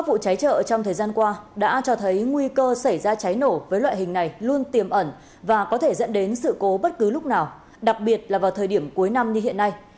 vụ cháy chợ trong thời gian qua đã cho thấy nguy cơ xảy ra cháy nổ với loại hình này luôn tiềm ẩn và có thể dẫn đến sự cố bất cứ lúc nào đặc biệt là vào thời điểm cuối năm như hiện nay